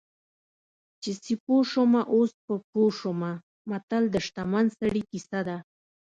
چې سیپو شومه اوس په پوه شومه متل د شتمن سړي کیسه ده